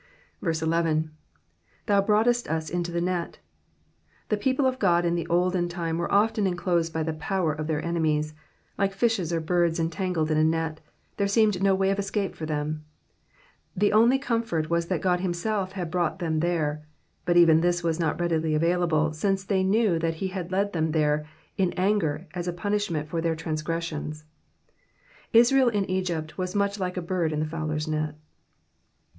11. ^^Thou hroughtest us into the net,'''' The people of God in the olden time were often enclosed by the power of their enemies, like fishes or birds entangled in a net ; there seemed no way of escape for them. The only comfort was that God himself had brought them there, but even this was not readily available, since they knew that he had led them there in anger as a punishment for their transgressions ; Israel in Egypt was much like a bird in the fowler's net.